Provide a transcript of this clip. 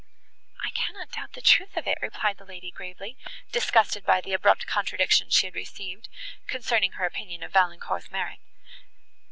"I cannot doubt the truth of it," replied the lady gravely, disgusted by the abrupt contradiction she had received, concerning her opinion of Valancourt's merit.